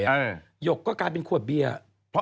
หยกก็กลายเป็นขวดเบียร์